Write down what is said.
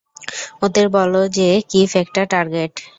ওদের বল যে কিফ একটা টার্গেট!